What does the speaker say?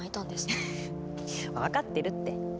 フフフ分かってるって。